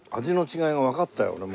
味の違いがわかったよ